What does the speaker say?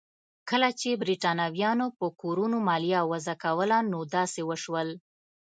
کله چې برېټانویانو په کورونو مالیه وضع کوله نو داسې وشول.